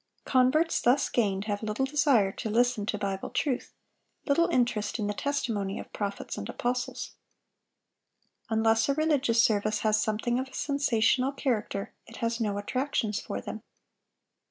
Converts thus gained have little desire to listen to Bible truth, little interest in the testimony of prophets and apostles. Unless a religious service has something of a sensational character, it has no attractions for them.